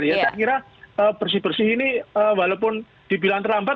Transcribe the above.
saya kira bersih bersih ini walaupun dibilang terlambat